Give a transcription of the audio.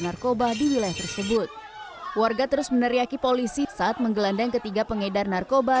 narkoba di wilayah tersebut warga terus meneriaki polisi saat menggelandang ketiga pengedar narkoba